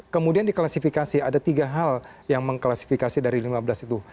kemudian diklasifikasi ada tiga hal yang mengklasifikasi dari lima belas itu